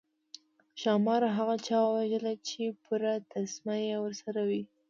ښامار هغه چا وژلی چې پوره تسمه یې ورسره وي.